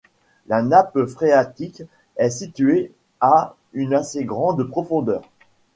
La nappe phréatique est située à une assez grande profondeur.